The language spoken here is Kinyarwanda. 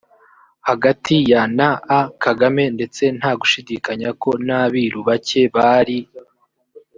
hagati ya na a kagame ndetse nta gushidikanya ko n abiru bake bari